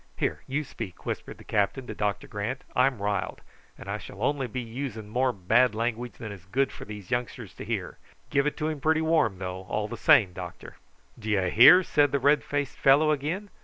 "Here, you speak," whispered the captain to Doctor Grant. "I'm riled, and I shall be only using more bad language than is good for these youngsters to hear. Give it to him pretty warm, though, all the same, doctor." "D'yer hear?" said the red faced fellow again.